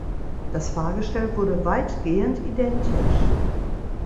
Das Fahrgestell wurde weitgehend identisch.